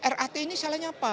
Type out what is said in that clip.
rat ini salahnya apa